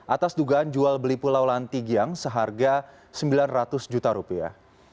atas dugaan jual beli pulau lantigiang seharga sembilan ratus juta rupiah